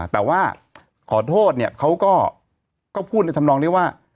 แต่ว่าขอโทษเขาก็พูดทำลองเรียกว่า